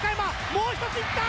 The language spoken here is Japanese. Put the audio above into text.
もう一ついった！